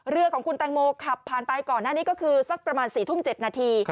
เรือของคุณแตงโมขับผ่านไปก่อนหน้านี้ก็คือสักประมาณ๔ทุ่ม๗นาที